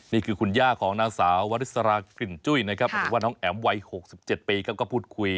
นี่คือคุณย่าของนางสาววริสรากลิ่นจุ้ยนะครับหรือว่าน้องแอ๋มวัย๖๗ปีเขาก็พูดคุย